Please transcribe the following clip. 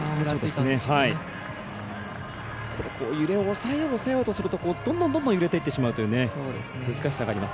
揺れを抑えようとするとどんどん揺れていってしまうという難しさがあります。